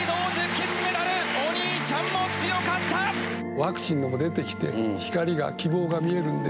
ワクチンも出てきて光や希望が見えてきて。